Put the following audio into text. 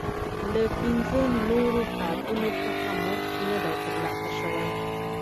له پنځه نورو ساعتونو څخه مزد نه دی ترلاسه شوی